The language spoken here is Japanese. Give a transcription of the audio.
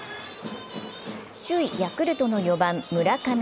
首位・ヤクルトの４番・村上。